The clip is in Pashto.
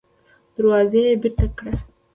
دروازه يې بېرته کړه.